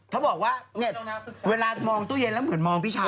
เขาบอกว่าเนี่ยเวลามองตู้เย็นแล้วเหมือนมองพี่เช้า